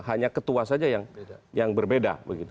hanya ketua saja yang berbeda